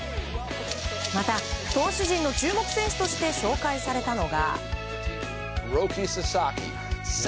また、投手陣の注目選手として紹介されたのが。